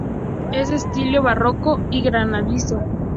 Es de estilo barroco granadino.